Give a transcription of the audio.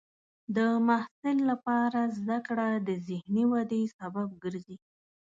د محصل لپاره زده کړه د ذهني ودې سبب ګرځي.